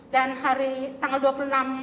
dan hari tanggal dua puluh enam